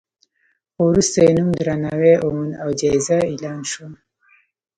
خو وروسته یې نوم درناوی وموند او جایزه اعلان شوه.